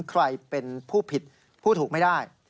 ใครเป็นผู้ผิดผู้ถูกไม่ได้